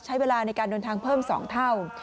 ใช้เวลาในการเดินทางเพิ่ม๒เท่า